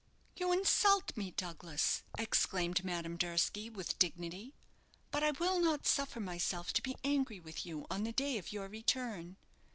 "You insult me, Douglas!" exclaimed Madame Durski, with dignity. "But I will not suffer myself to be angry with you on the day of your return.